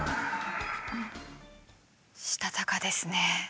したたかですね。